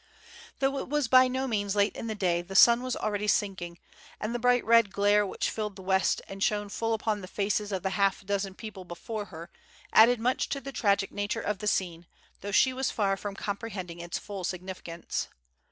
Though it was by no means late in the day, the sun was already sinking, and the bright red glare which filled the west and shone full upon the faces of the half dozen people before her added much to the tragic nature of the scene, though she was far from comprehending its full significance.